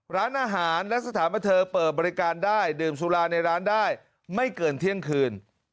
ร้านอาหารและสถานบันเทิงเปิดบริการได้ดื่มสุราในร้านได้ไม่เกินเที่ยงคืน